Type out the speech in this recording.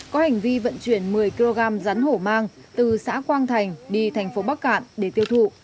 có hành vi vận chuyển một mươi kg rắn hổ mang từ xã quang thành đi thành phố bắc cạn để tiêu thụ